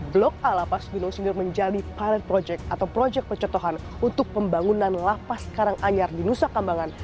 blok a lapas gunung sindur menjadi pilot project atau projek pencetohan untuk pembangunan lapas karang anyar di nusa kambangan